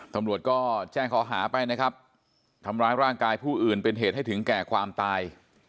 ตำรวจก็แจ้งข้อหาไปนะครับทำร้ายร่างกายผู้อื่นเป็นเหตุให้ถึงแก่ความตาย